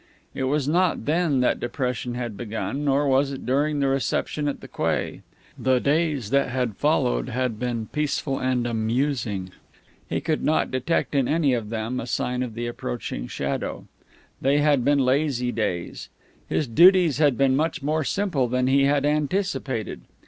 It was not then that depression had begun, nor was it during the reception at the quay. The days that had followed had been peaceful and amusing. He could not detect in any one of them a sign of the approaching shadow. They had been lazy days. His duties had been much more simple than he had anticipated.